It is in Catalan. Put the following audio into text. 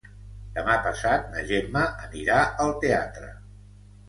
Demà passat na Gemma anirà al teatre.